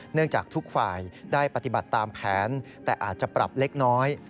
จากทุกฝ่ายได้ปฏิบัติตามแผนแต่อาจจะปรับเล็กน้อย